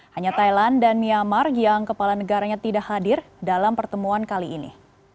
hanya thailand dan myanmar yang kepala negaranya tidak hadir dalam pertemuan kali ini